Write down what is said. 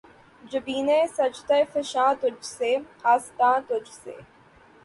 جبینِ سجدہ فشاں تجھ سے‘ آستاں تجھ سے